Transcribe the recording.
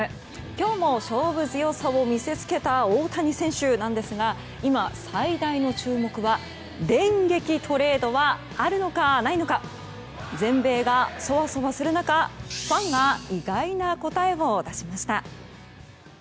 今日も勝負強さを見せつけた大谷選手なんですが今、最大の注目は電撃トレードはあるのかないのか全米がソワソワする中、ファンが意外な答えを出しました。